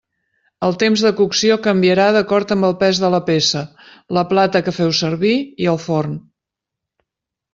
El temps de cocció canviarà d'acord amb el pes de la peça, la plata que feu servir i el forn.